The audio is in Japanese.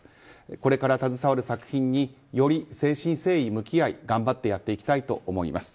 これから携わる作品により誠心誠意向き合い頑張ってやっていきたいと思います。